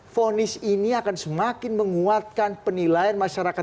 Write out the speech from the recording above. fonis ini akan semakin menguatkan penilaian masyarakat